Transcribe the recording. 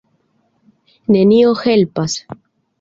Nenio helpas.